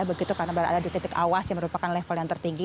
begitu karena berada di titik awas yang merupakan level yang tertinggi